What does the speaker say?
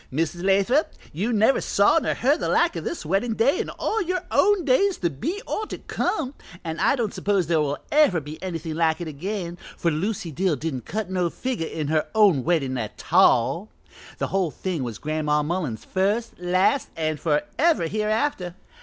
"Mrs. Lathrop, you never saw nor heard the like of this weddin' day in all your own days to be or to come, and I don't suppose there ever will be anything like it again, for Lucy Dill didn't cut no figger in her own weddin' a tall, the whole thing was Gran'ma Mullins first, last and forever hereafter.